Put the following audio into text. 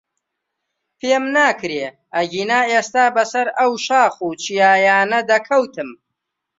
پێم ناکرێ، ئەگەنا ئێستا بەسەر ئەو شاخ و چیایانە دەکەوتم.